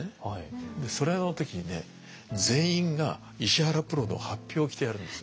でそれの時にね全員が石原プロのハッピを着てやるんです。